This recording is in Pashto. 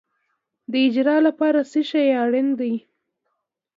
د اجر لپاره څه شی اړین دی؟